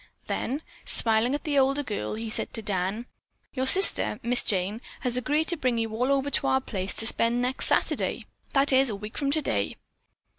Then, smiling at the older girl, he said to Dan: "Your sister, Miss Jane, has agreed to bring you all over to our place to spend next Sunday. That is a week from today."